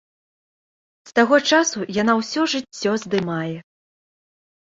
З таго часу яна ўсё жыццё здымае.